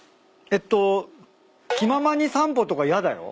えっと「気ままにさんぽ」とか嫌だよ。